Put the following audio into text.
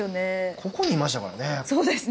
ここにいましたからね。